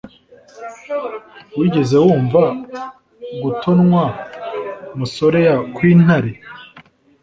Wigeze wumva gutonwa musorea kw'intare?